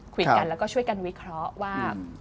คุยกันแล้วก็ช่วยกันวิเคราะห์ว่า